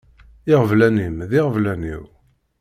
Iɣeblan-im d iɣeblan-iw.